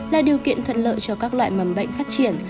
là điều kiện thuận lợi cho các loại mầm bệnh phát triển